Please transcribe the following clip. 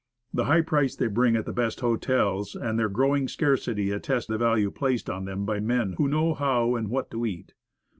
The high price they bring at the best hotels, and their growing scarcity, attest the value placed on them by men who know how and what to eat.